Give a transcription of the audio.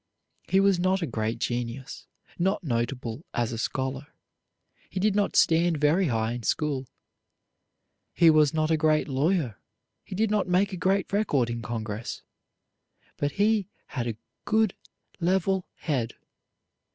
He was not a great genius, not notable as a scholar. He did not stand very high in school; he was not a great lawyer; he did not make a great record in Congress; but he had a good, level head.